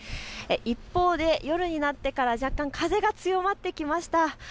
一方で夜になってから若干、風が強まってきました。